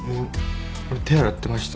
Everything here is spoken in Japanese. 俺手洗ってました。